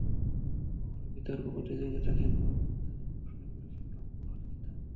কখনো বিতর্ক প্রতিযোগিতা কিংবা অন্য কিছুতে পুরস্কার পেলে সেগুলো আম্মুর হাতে দিতাম।